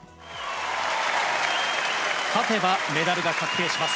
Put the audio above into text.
勝てばメダルが確定します。